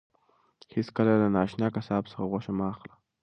هیڅکله له نااشنا قصاب څخه غوښه مه اخله.